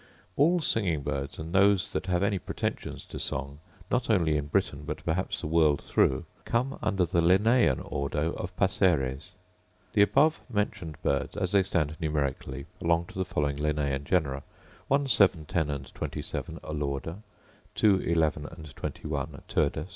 All singing birds, and those that have any pretensions to song, not only in Britain, but perhaps the world through, come under the Linnaean ordo of passeres. The above mentioned birds, as they stand numerically, belong to the following Linnaean genera. 1, 7, 10, 27. Alauda. 2, 11, 21. Turdus.